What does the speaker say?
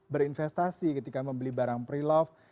berinvestasi ketika membeli barang pre love